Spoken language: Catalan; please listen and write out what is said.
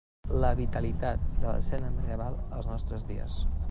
La vitalitat de l'escena medieval als nostres dies.